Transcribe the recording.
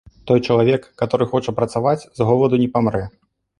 Той чалавек, каторы хоча працаваць, з голаду не памрэ.